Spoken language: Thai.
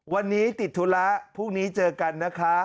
วันนี้ติดธุระพรุ่งนี้เจอกันนะคะ